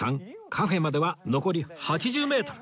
カフェまでは残り８０メートル